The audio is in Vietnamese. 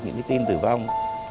những tin tử vong